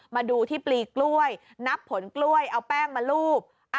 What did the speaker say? มาดูที่ปลีกล้วยนับผลกล้วยเอาแป้งมาลูบ